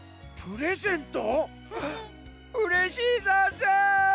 うれしいざんす！